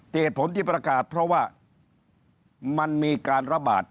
เหตุผลที่ประกาศเพราะว่ามันมีการระบาด